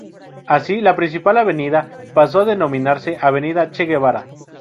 Así, la principal avenida pasó a denominarse avenida Che Guevara.